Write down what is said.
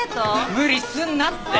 無理すんなって。